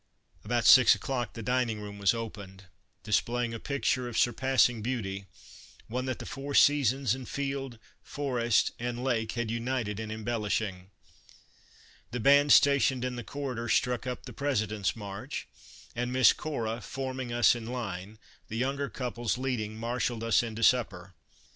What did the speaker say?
About six o'clock the dining room was opened, displaying a picture of surpassing beauty, one that the four seasons and field, forest, and lake had united in embellishing. The band stationed in the corridor struck up the " President's March," and Miss Cora, Martin Van Buren m N\e White House in Old Hickory's Dav forming: us in line, the younger couples leading, marshaled us into supper.